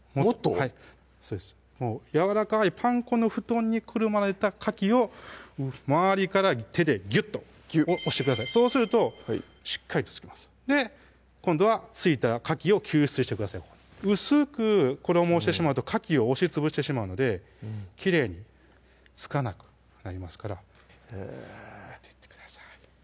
はいそうですやわらかいパン粉の布団に包まれたかきを周りから手でぎゅっと押してくださいそうするとしっかりと付きます今度は付いたかきを救出してください薄く衣をしてしまうとかきを押し潰してしまうのできれいに付かなくなりますからへぇ置いていってください